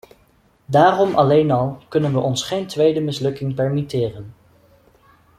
Daarom alleen al kunnen we ons geen tweede mislukking permitteren.